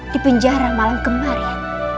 di penjara malam kemarin